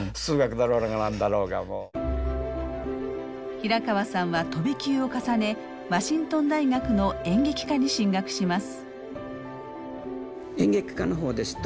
平川さんは飛び級を重ねワシントン大学の演劇科に進学します。